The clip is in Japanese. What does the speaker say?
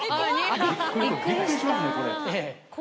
びっくりしますねこれ。